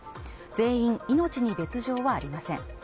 全員命に別条はありません